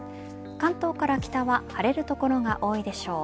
関東から北は晴れる所が多いでしょう。